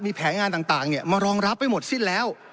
มีแผงงานต่างเนี่ยมารองรับไปหมดสิ้นแล้ว